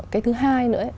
cái thứ hai nữa